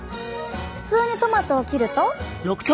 普通にトマトを切ると。